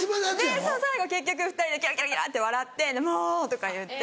でそう最後結局２人でゲラゲラゲラって笑って「もう」とか言って。